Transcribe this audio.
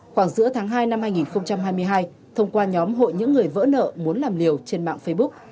khoảng giữa tháng hai năm hai nghìn hai mươi hai thông qua nhóm hội những người vỡ nợ muốn làm liều trên mạng facebook